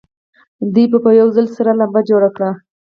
دوی به په یوه ځل سره لمبه جوړه کړي.